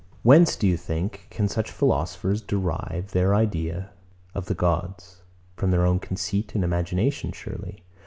Whence, do you think, can such philosophers derive their idea of the gods? From their own conceit and imagination surely.